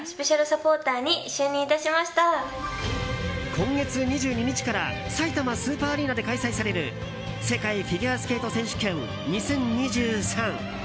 今月２２日からさいたまスーパーアリーナで開催される世界フィギュアスケート選手権２０２３。